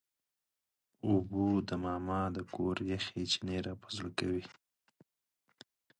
اوبه د ماما د کور یخ چینې راپه زړه کوي.